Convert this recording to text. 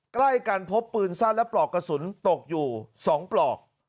ใกล้กันพบปืนสั้นและปลอกกระสุนตกอยู่๒ปลอก